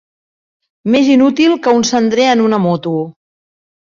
Més inútil que un cendrer en una moto.